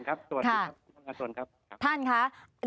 สำหรับท่านผู้การการสน